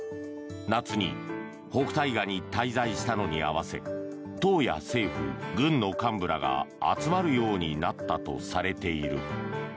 夏に北戴河に滞在したのに合わせ党や政府、軍の幹部らが集まるようになったとされている。